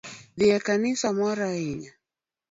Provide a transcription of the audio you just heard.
Dhi e kanisa mora ahinya